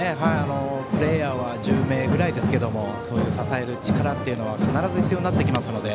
プレーヤーは１０名ぐらいですがそういう支える力は必ず必要になってきますので。